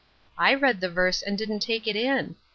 I read the verse and didn't take it in.